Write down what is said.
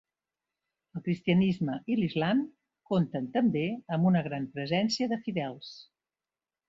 El Cristianisme i l'islam compten també amb una gran presència de fidels.